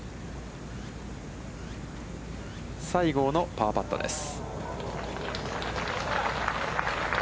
西郷のパーパットです。